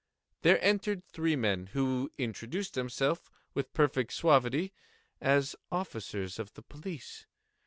There entered three men, who introduced themselves, with perfect suavity, as officers of the police.